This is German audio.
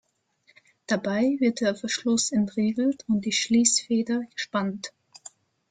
Dabei wird der Verschluss entriegelt und die Schließfeder gespannt.